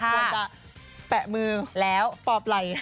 ต้องจัดแปะมือปอบไหล่